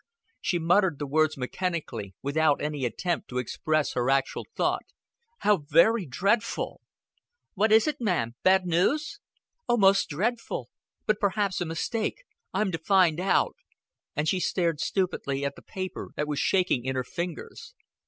She muttered the words mechanically, without any attempt to express her actual thought. "How very dreadful!" "What is it, ma'am? Bad news?" "Oh, most dreadful. But perhaps a mistake. I'm to find out;" and she stared stupidly at the paper that was shaking in her fingers.